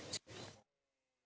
saya mengusir kartu bekas pemoplistan